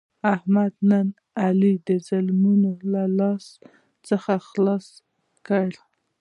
احمد نن علي د ظالمانو له لاس څخه خلاص کړ.